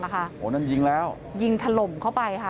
โอ้โหนั่นยิงแล้วยิงถล่มเข้าไปค่ะ